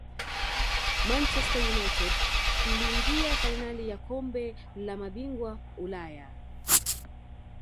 manchester united iliingia fainali ya kombe la mabingwa ulaya